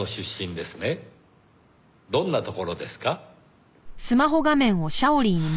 どんなところですか？